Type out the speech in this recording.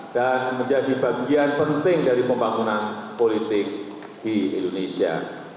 dan menjadi bagian penting dari pembangunan politik di indonesia